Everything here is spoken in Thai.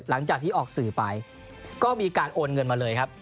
หลังจากที่ออกสื่อไปก็มีการโอนเงินมาเลยครับ